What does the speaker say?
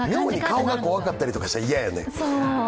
妙に顔が怖かったりしたら嫌やね。